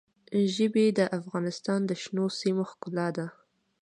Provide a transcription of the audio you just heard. ژبې د افغانستان د شنو سیمو ښکلا ده.